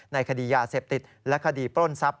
ในคดียาเสพติดและคดีปล้นทรัพย